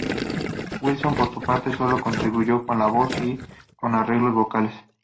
Wilson, por su parte, solo contribuyó con la voz y con arreglos vocales.